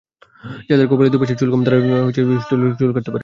যাঁদের কপালের দুপাশে চুল কম, তাঁরা মোহাক স্টাইলে চুল কাটাতে পারেন।